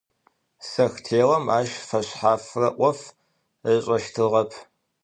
Сэхтеом ащ фэшъхьафрэ ӏоф ышӏэщтыгъэп.